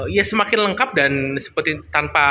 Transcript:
ya semakin lengkap dan seperti tanpa